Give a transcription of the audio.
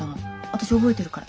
私覚えてるから。